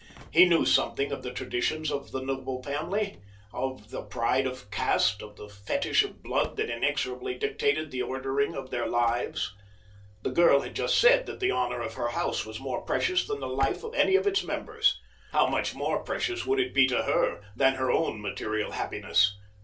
He knew something of the traditions of this noble family—of the pride of caste, of the fetish of blood that inexorably dictated the ordering of their lives. The girl had just said that the honor of her house was more precious than the life of any of its members. How much more precious would it be to her than her own material happiness!